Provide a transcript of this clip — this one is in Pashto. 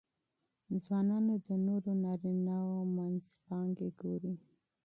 ځوانان د نورو نارینهوو منځپانګې ګوري.